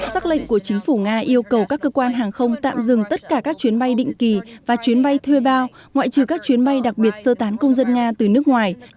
xác lệnh của chính phủ nga yêu cầu các cơ quan hàng không tạm dừng tất cả các chuyến bay định kỳ và chuyến bay thuê bao ngoại trừ các chuyến bay đặc biệt sơ tán công dân nga từ nước ngoài